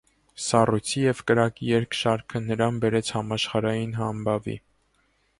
«Սառույցի և կրակի երգ» շարքը նրան բերեց համաշխարհային հանբավի։